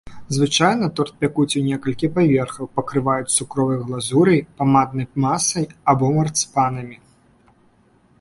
Звычайна торт пякуць ў некалькі паверхаў, пакрываюць цукровай глазурай, памаднай масай або марцыпанамі.